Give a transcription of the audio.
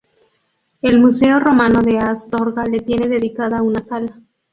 El Museo romano de Astorga le tiene dedicada una sala.